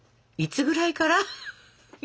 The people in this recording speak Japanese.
いつぐらいから？